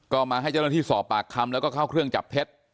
ก็มาให้เจ้าหน้าที่สอบปากคำแล้วก็เข้าเครื่องจับเท็จ